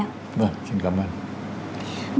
vâng xin cảm ơn